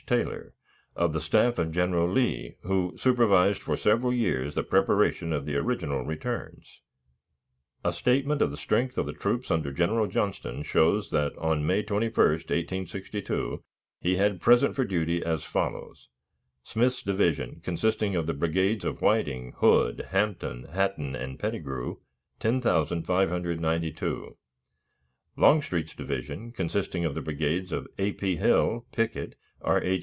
Taylor, of the staff of General Lee, who supervised for several years the preparation of the original returns. A statement of the strength of the troops under General Johnston shows that on May 21, 1862, he had present for duty as follows: Smith's division, consisting of the brigades of Whiting, Hood, Hampton, Hatton, and Pettigrew ............ 10,592 Longstreet's division, consisting of the brigades of A. P. Hill, Pickett, R. H.